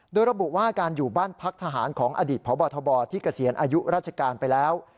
โดยระบุว่าการอยู่บ้านพักทหารของอดีตพบทบที่เกษียณอายุราชการไปแล้ว